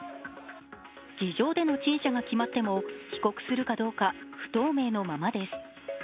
議場での陳謝が決まっても、帰国するかどうか不透明のままです。